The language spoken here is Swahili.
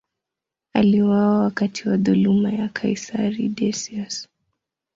Aliuawa wakati wa dhuluma ya kaisari Decius.